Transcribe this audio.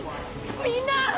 みんな！